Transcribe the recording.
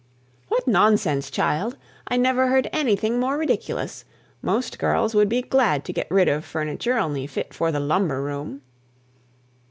"What nonsense, child! I never heard anything more ridiculous! Most girls would be glad to get rid of furniture only fit for the lumber room."